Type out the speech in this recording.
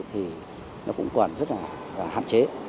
thì nó cũng còn rất là hạn chế